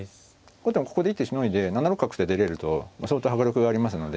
後手もここで一手しのいで７六角って出れると相当迫力がありますので。